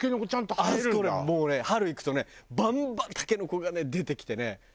あそこ俺もうね春行くとねバンバンタケノコがね出てきてね。